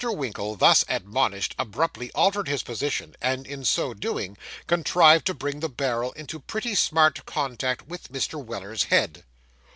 Winkle, thus admonished, abruptly altered his position, and in so doing, contrived to bring the barrel into pretty smart contact with Mr. Weller's head.